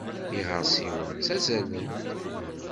Iɣersiwen ttazzalen.